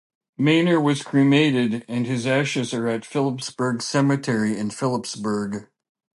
Meyner was cremated and his ashes are at Phillipsburg Cemetery in Phillipsburg.